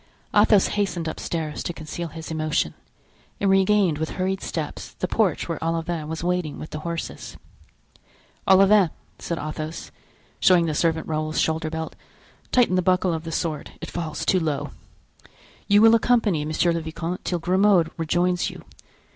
Athos hastened upstairs to conceal his emotion, and regained with hurried steps the porch where Olivain was waiting with the horses. "Olivain," said Athos, showing the servant Raoul's shoulder belt, "tighten the buckle of the sword, it falls too low. You will accompany monsieur le vicomte till Grimaud rejoins you.